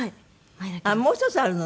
もう１つあるの？